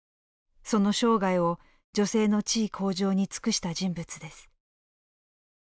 その生涯を女性の地位向上に尽くした人物です。